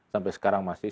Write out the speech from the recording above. sampai sekarang masih